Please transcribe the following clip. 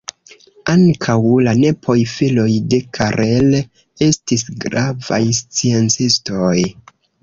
Ankaŭ la nepoj, filoj de Karel, estis gravaj sciencistoj.